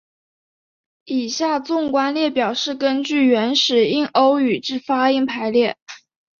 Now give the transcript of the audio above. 以下纵观列表是根据原始印欧语之发音排列。